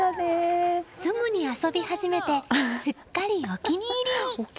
すぐに遊び始めてすっかり、お気に入りに。